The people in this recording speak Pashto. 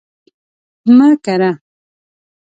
مه کره